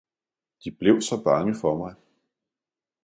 De blev så bange for mig!